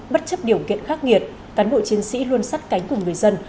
bất chấp điều kiện khắc nghiệt cán bộ chiến sĩ luôn sắt cánh cùng người dân